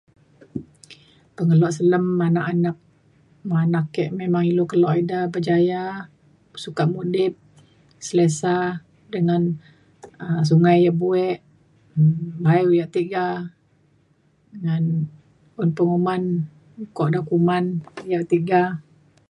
pengelo selem anak anak me anak ke memang ilu kelo ida berjaya sukat mudip selesa dengan um sungai ya buek um gayeng yak tiga ngan un penguman kuak dau kuman yak tiga